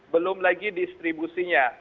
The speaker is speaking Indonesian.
belum lagi distribusinya